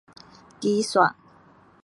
機逝